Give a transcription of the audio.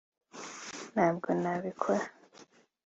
ntabwo nabikora